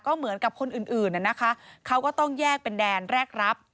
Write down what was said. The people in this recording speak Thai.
ก็เหมือนกับคนอื่นนะคะเขาก็ต้องแยกเป็นแดนแรกรับ